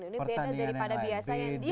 ini beda daripada biasanya